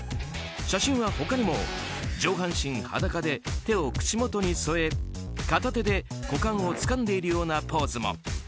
写真は他にも上半身裸で手を口元に添え片手で股間をつかんでいるようなポーズも。